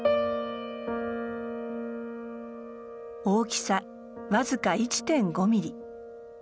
大きさ僅か１．５ミリ。